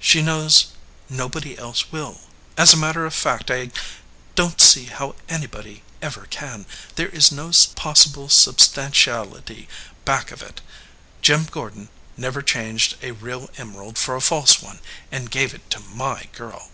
She knows nobody else will. As a matter of fact, I don t see how anybody ever can. There is no possible substantiality back of it. Jim Gordon never changed a real emerald for a false one and gave it to my girl."